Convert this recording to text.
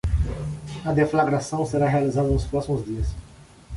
A deflagração será realizada nos próximos dias